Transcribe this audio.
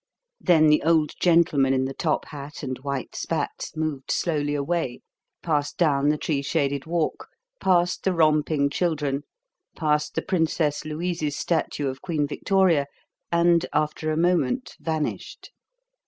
Then the old gentleman in the top hat and white spats moved slowly away, passed down the tree shaded walk, passed the romping children, passed the Princess Louise's statue of Queen Victoria, and, after a moment, vanished.